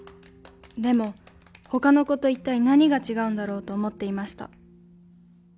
でも、他の子と一体何が違うんだろうと思っていました。